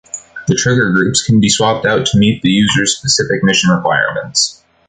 The trigger groups can be swapped out to meet the user's specific mission requirements.